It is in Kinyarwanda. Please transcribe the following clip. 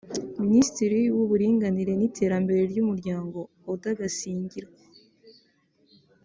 Minisitiri w’Uburinganire n’Iterambere ry’Umuryango Oda Gasinzigwa